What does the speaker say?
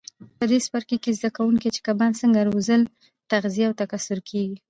په دې څپرکي کې زده کوئ چې کبان څنګه روزل تغذیه او تکثیر کېږي.